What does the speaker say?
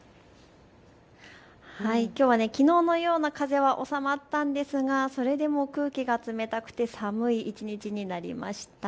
きょうはきのうのような風は収まったんですがそれでも空気が冷たくて寒い一日になりました。